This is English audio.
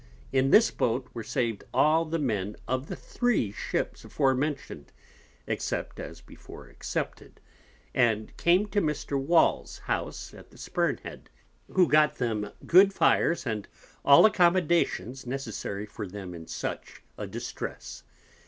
In this Boat were saved all the Men of the three Ships aforementioned (except as before excepted) and came to Mr. Walls's House, at the Spurn Head, who got them good Fires, and all Accommodations necessary for them in such a Distress.